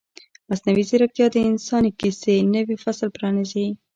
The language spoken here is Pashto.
مصنوعي ځیرکتیا د انساني کیسې نوی فصل پرانیزي.